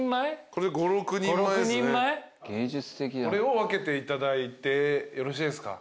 これを分けていただいてよろしいですか？